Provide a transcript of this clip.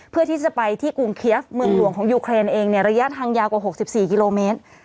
เพื่อที่จะไปที่กรุงเคียฟรายละยาทางยาวกว่า๖๔กิโลเมตร